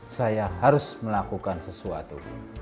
saya harus melakukan sesuatu